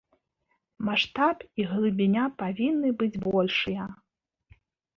Маштаб і глыбіня павінны быць большыя.